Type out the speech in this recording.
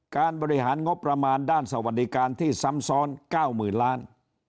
การบริหารงบประมาณด้านสวัสดิการที่ซ้ำซ้อน๙๐๐๐ล้าน